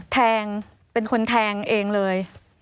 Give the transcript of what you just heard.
แทงเป็นคนแทงเองเลย